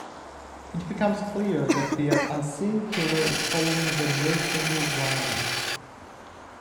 It becomes clear that their unseen killer is following the nursery rhyme.